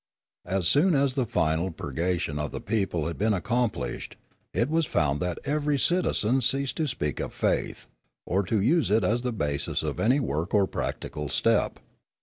As soon as the final purgation of the people had been ac complished, it was found that every citizen ceased to speak of faith, or to use it as the basis of any work or practical step.